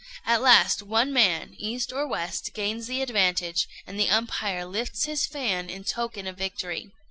At last one man, east or west, gains the advantage, and the umpire lifts his fan in token of victory.